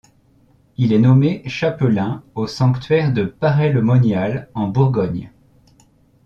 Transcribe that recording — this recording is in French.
Il est nommé chapelain aux sanctuaires de Paray-le-Monial, en Bourgogne.